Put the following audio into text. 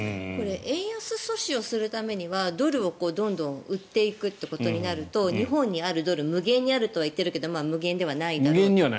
円安阻止をするためにはドルをどんどん売っていくことになると日本にあるドルが無限にあるとは言ってるけれど無限ではないと。